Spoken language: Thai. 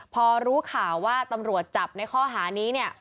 พอรู้ข่าวว่าตำรวจจับในข้อหานี้เนี่ย